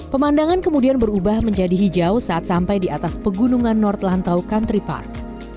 pemandangan kemudian berubah menjadi hijau saat sampai di atas pegunungan nortlantau country park